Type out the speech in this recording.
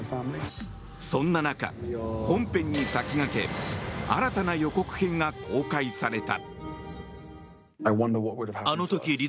そんな中、本編に先駆け新たな予告編が公開された。